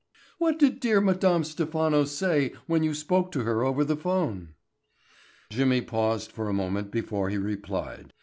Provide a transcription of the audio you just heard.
"What did dear Madame Stephano say when you spoke to her over the phone?" Jimmy paused for a moment before he replied.